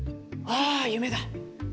「ああ夢だ。